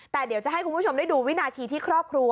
แต่เดี๋ยวจะให้คุณผู้ชมได้ดูวินาทีที่ครอบครัว